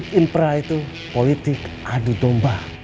dvd at impra itu politik adu domba